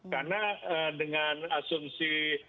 karena dengan asumsi